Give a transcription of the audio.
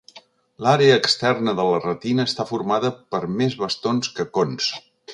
L'àrea externa de la retina està formada per més bastons que cons.